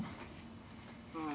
うん。